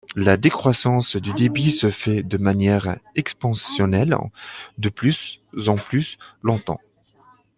La décroissance du débit se fait de manière exponentielle, de plus en plus lentement.